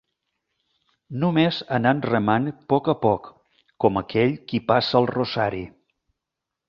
No més anant remant poc a poc, com aquell qui passa'l rosari